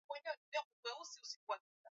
haswa ukiangalia kama hii wiki